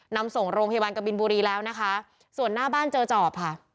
นำส่งโรงพยาบาลกบินบุรีแล้วนะคะส่วนหน้าบ้านเจอจอบค่ะ